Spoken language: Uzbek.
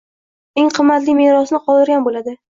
eng qimmatli merosni qoldirgan bo'ladi.